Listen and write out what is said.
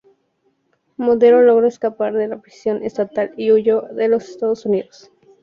Madero logró escapar de la prisión estatal y huyó a los Estados Unidos.